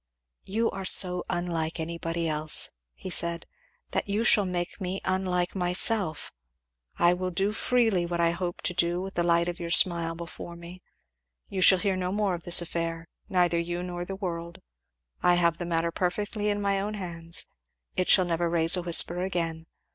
"You are so unlike anybody else," he said, "that you shall make me unlike myself. I will do freely what I hoped to do with the light of your smile before me. You shall hear no more of this affair, neither you nor the world I have the matter perfectly in my own hands it shall never raise a whisper again.